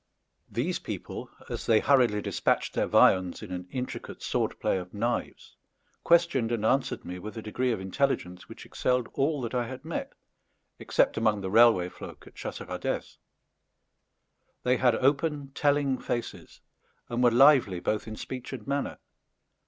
These people, as they hurriedly despatched their viands in an intricate sword play of knives, questioned and answered me with a degree of intelligence which excelled all that I had met, except among the railway folk at Chasseradès. They had open telling faces, and were lively both in speech and manner.